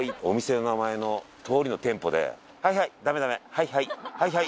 「はいはいはいはい」。